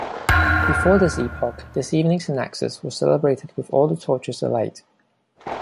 Before this epoch this evening "synaxis" was celebrated with all the torches alight.